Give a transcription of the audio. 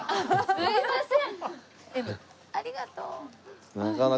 すいません。